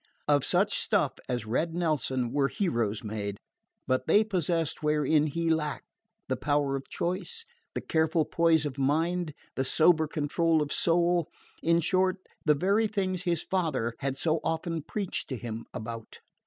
Of such stuff as Red Nelson were heroes made; but they possessed wherein he lacked the power of choice, the careful poise of mind, the sober control of soul: in short, the very things his father had so often "preached" to him about.